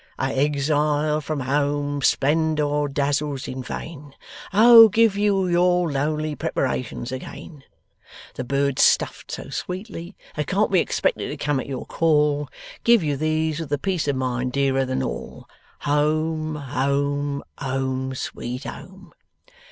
"A exile from home splendour dazzles in vain, O give you your lowly Preparations again, The birds stuffed so sweetly that can't be expected to come at your call, Give you these with the peace of mind dearer than all. Home, Home, Home, sweet Home!"